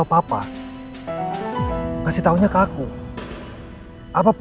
hebat yaudah gak apa apa